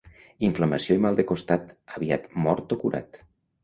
Inflamació i mal de costat, aviat mort o curat.